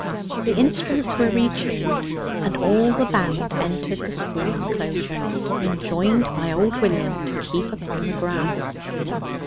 The instruments were retuned, and all the band entered the school enclosure, enjoined by old William to keep upon the grass.